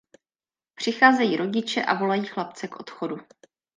Přicházejí rodiče a volají chlapce k odchodu.